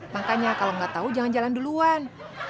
makanya kalau gak tau jangan jalan duluan